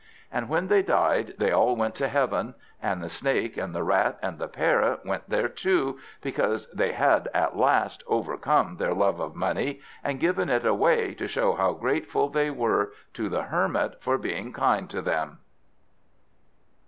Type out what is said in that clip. And when they died they all went to heaven; and the Snake and the Rat and the Parrot went there too, because they had at last overcome their love of money, and given it away to show how grateful they were to the Hermit for being kind to them.